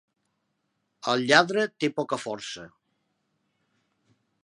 El lladre té poca força.